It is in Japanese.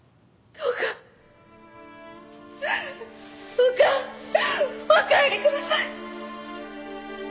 どうかお帰りください。